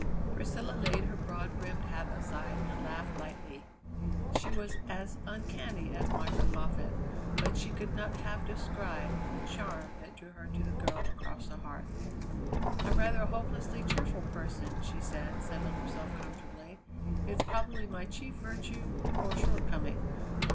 Priscilla laid her broad brimmed hat aside and laughed lightly. She was as uncanny as Margaret Moffatt, but she could not have described the charm that drew her to the girl across the hearth. "I'm rather a hopelessly cheerful person," she said, settling herself comfortably; "it's probably my chief virtue or shortcoming."